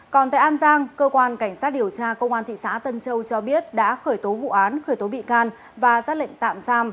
còn tại an giang cơ quan cảnh sát điều tra công an thị xã tân châu cho biết đã khởi tố vụ án khởi tố bị can và ra lệnh tạm giam